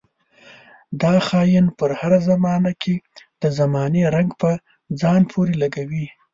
دا خاين پر هره زمانه کې د زمانې رنګ په ځان پورې لګوي.